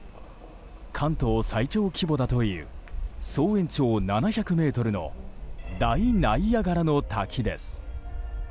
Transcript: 関東最長規模だという総延長７００ｍの大ナイアガラの滝です。